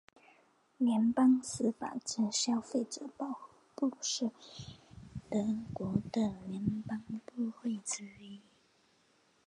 联邦司法及消费者保护部是德国的联邦部会之一。